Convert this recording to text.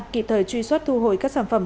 kịp thời truy xuất thu hồi các sản phẩm